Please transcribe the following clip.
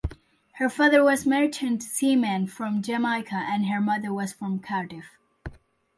Her father was merchant seaman from Jamaica and her mother was from Cardiff.